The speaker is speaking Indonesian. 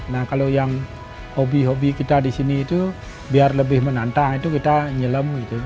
nah kalau yang hobi hobi kita di sini itu biar lebih menantang itu kita nyelem gitu